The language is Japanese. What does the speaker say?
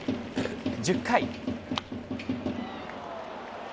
１０回。